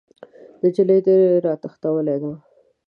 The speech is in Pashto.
نجلۍ دې راتښتولې ده!